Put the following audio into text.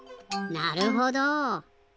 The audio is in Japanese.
なるほど。